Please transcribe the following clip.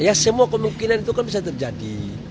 ya semua kemungkinan itu kan bisa terjadi